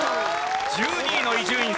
１２位の伊集院さん